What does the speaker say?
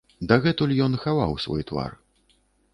Дагэтуль ён хаваў свой твар.